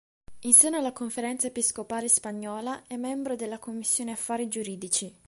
In seno alla Conferenza episcopale spagnola è membro della commissione affari giuridici.